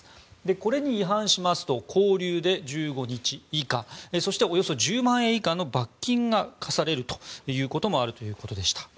これに違反しますと拘留で１５日以下そしておよそ１０万円以下の罰金が科されることもあるということでした。